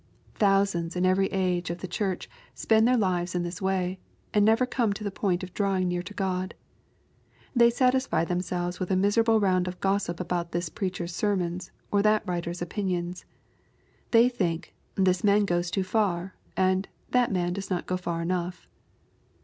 Thousands in every ageof the Church spend their lives in this way, and never come to the point of drawing near to God. They satisfy themselves with a miserable round of gossip about this preacher's sermons, or that writer's opinions. ' They think " this man goes too far," and "thai" man does not go far enough."